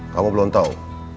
kamu belum tahu